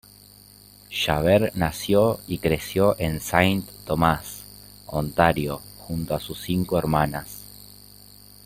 Shaver nació y creció en Saint Thomas, Ontario, junto a sus cinco hermanas.